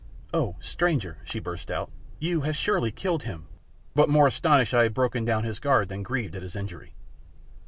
"Oh, stranger," she burst out, "you have surely killed him!" but more astounded I had broken down his guard than grieved at his injury.